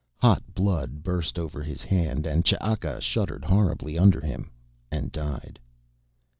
Hot blood burst over his hand and Ch'aka shuddered horribly under him and died.